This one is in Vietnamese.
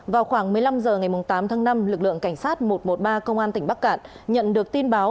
vào khoảng một mươi năm h ngày tám tháng năm lực lượng cảnh sát một trăm một mươi ba công an tỉnh bắc cạn nhận được tin báo